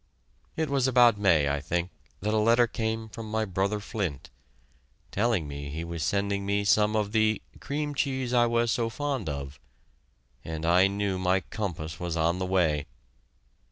It was about May, I think, that a letter came from my brother Flint, telling me he was sending me some of the "cream cheese I was so fond of" and I knew my compass was on the way.